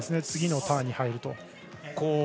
次のターンに入ると。